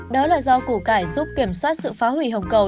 đó là do củ cải giúp kiểm soát sự phá hủy hồng cầu